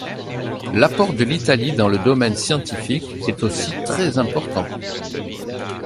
L'apport de l'Italie dans le domaine scientifique est aussi très important.